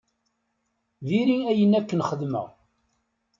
Diri ayen akken xedmeɣ.